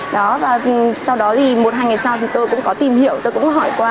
đó và sau đó thì một hai ngày sau thì tôi cũng có tìm hiểu tôi cũng hỏi qua